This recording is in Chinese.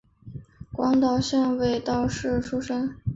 广岛县尾道市出身。